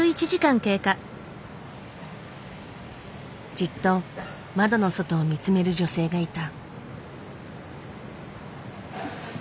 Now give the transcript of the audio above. じっと窓の外を見つめる女性がいた。